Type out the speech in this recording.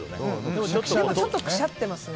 でも、ちょっとくしゃってますね。